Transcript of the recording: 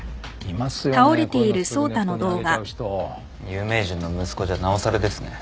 有名人の息子じゃなおさらですね。